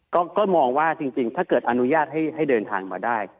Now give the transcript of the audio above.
ก็มองว่าจริงถ้าเกิดอนุญาตให้เดินทางมาได้